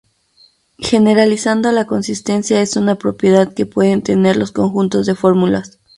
Generalizando, la consistencia es una propiedad que pueden tener los conjuntos de fórmulas.